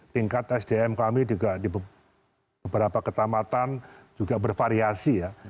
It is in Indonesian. tingkat sdm kami juga di beberapa kecamatan juga bervariasi ya